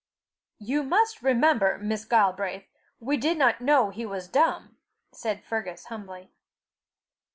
"You must remember, Miss Galbraith, we did not know he was dumb," said Fergus, humbly.